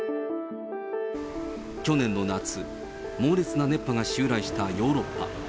去年の夏、猛烈な熱波が襲来したヨーロッパ。